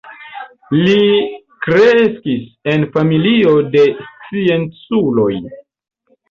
Li kreskis en familio de scienculoj.